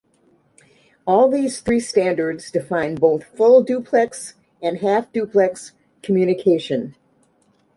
All these three standards define both full-duplex and half-duplex communication.